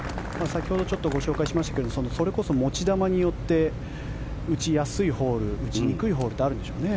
先ほどちょっとご紹介しましたがそれこそ持ち球によって打ちやすいホール打ちにくいホールってあるんでしょうね。